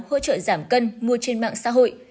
hỗ trợ giảm cân mua trên mạng xã hội